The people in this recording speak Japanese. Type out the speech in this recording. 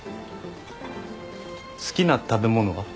好きな食べ物は？